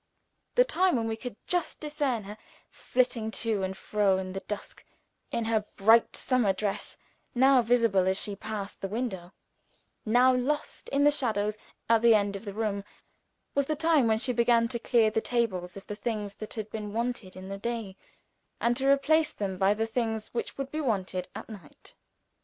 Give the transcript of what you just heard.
The time when we could just discern her, flitting to and fro in the dusk, in her bright summer dress now visible as she passed the window, now lost in the shadows at the end of the room was the time when she began to clear the tables of the things that had been wanted in the day, and to replace them by the things which would be wanted at night.